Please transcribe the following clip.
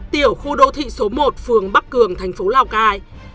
tiểu khu đô thị số một phường bắc cường thành phố lào cai